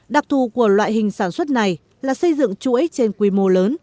đặc thù của loại hình sản xuất này là xây dựng chuỗi trên quy mô lớn